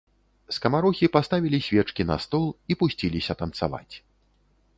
Скамарохі паставілі свечкі на стол і пусціліся танцаваць.